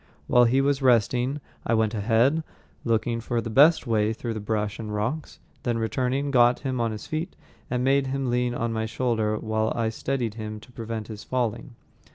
While he was resting I went ahead, looking for the best way through the brush and rocks, then returning, got him on his feet and made him lean on my shoulder while I steadied him to prevent his falling.